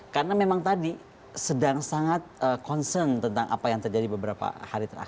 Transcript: karena memang tadi sedang sangat concern tentang apa yang terjadi beberapa hari terakhir